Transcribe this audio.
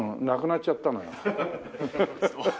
亡くなっちゃったのよ。